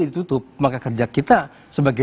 ditutup maka kerja kita sebagai